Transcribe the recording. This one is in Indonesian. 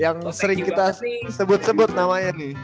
yang sering kita sebut sebut namanya nih